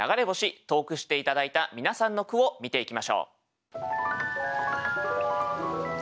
投句して頂いた皆さんの句を見ていきましょう。